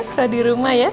sekolah di rumah ya